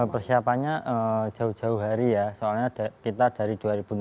persiapannya jauh jauh hari ya soalnya kita dari dua ribu enam belas